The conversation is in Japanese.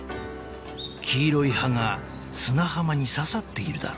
［黄色い葉が砂浜に刺さっているだろう］